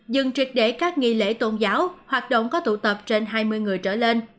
dừng triệt để các nghi lễ tôn giáo hoạt động có tụ tập trên hai mươi người trở lên